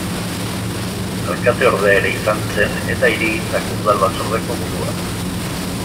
Alkateordea ere izan zen eta Hirigintzako Udal-Batzordeko burua.